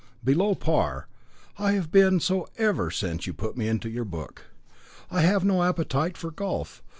"Below par. I have been so ever since you put me into your book. I have no appetite for golf.